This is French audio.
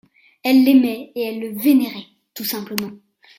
Elle l’aimait et elle le vénérait tout simplement.